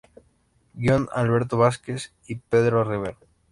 Guion: Alberto Vázquez y Pedro Rivero.